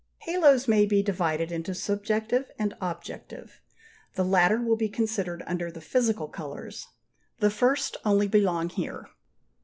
Halos may be divided into subjective and objective. The latter will be considered under the physical colours; the first only belong here.